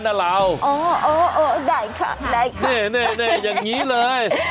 อ๋ออ๋ออ๋อได้ค่ะได้ค่ะนี่นี่นี่อย่างนี้เลย